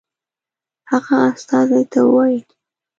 هغه استازي ته ووايي.